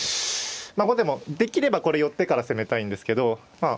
まあ後手もできればこれ寄ってから攻めたいんですけどまあ